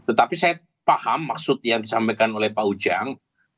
tetapi saya paham maksud yang disampaikan oleh pak ujang